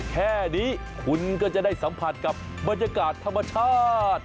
แค่นี้คุณก็จะได้สัมผัสกับบรรยากาศธรรมชาติ